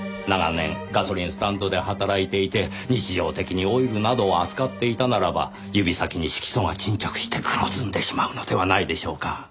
長年ガソリンスタンドで働いていて日常的にオイルなどを扱っていたならば指先に色素が沈着して黒ずんでしまうのではないでしょうか。